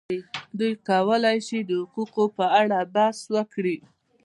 دوی کولای شي د حقوقو په اړه بحث وکړي.